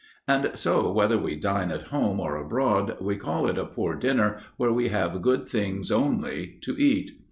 And so, whether we dine at home or abroad we call it a poor dinner where we have good things only to eat.